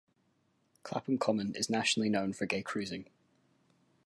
Clapham Common is nationally known for gay cruising.